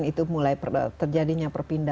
itu mulai terjadinya perpindahan